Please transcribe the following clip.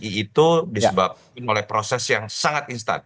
di psi itu disebabkan oleh proses yang sangat instan